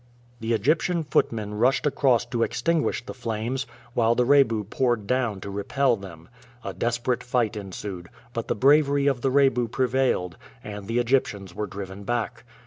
The Egyptian footmen rushed across to extinguish the flames, while the Rebu poured down to repel them. A desperate fight ensued, but the bravery of the Rebu prevailed, and the Egyptians were driven back.